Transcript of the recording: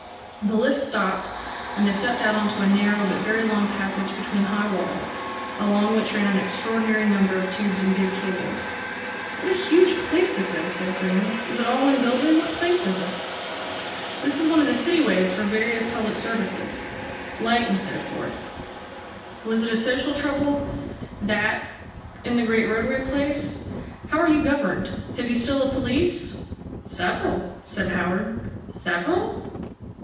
The lift stopped, and they stepped out into a narrow but very long passage between high walls, along which ran an extraordinary number of tubes and big cables. "What a huge place this is!" said Graham. "Is it all one building? What place is it?" "This is one of the city ways for various public services. Light and so forth." "Was it a social trouble that in the great roadway place? How are you governed? Have you still a police?" "Several," said Howard. "Several?"